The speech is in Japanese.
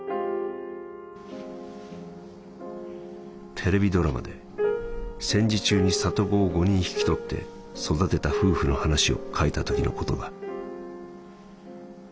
「テレビドラマで戦時中に里子を五人引き取って育てた夫婦の話を書いたときのことだ」。